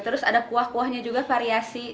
terus ada kuah kuahnya juga variasi